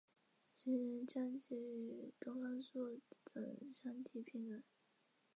而利用梅森增益公式可以找到输入和输出之间的关系。